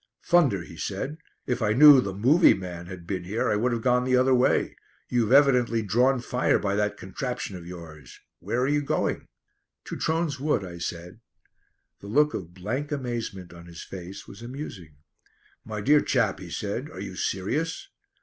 "Thunder," he said, "if I knew the 'movie' man had been here I would have gone the other way. You've evidently drawn fire by that contraption of yours. Where are you going?" "To Trones Wood," I said. The look of blank amazement on his face was amusing. "My dear chap," he said, "are you serious?"